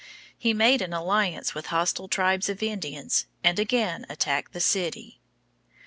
He made an alliance with hostile tribes of Indians, and again attacked the city.